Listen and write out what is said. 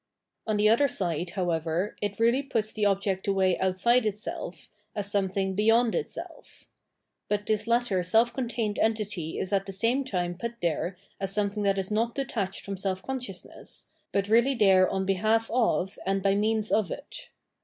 On the other side, however, it really puts the object away outside itself, as something beyond itself. But this latter self contained entity is at the same time put there as something that is not detached from self consciousness, but really there on behalf of and by means of it.